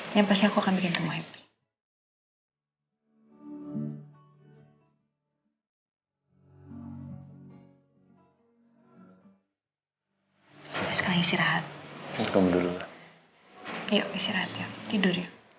ya pasti aku akan bikin kamu happy